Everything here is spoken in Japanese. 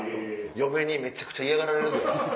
嫁にめちゃくちゃ嫌がられるで。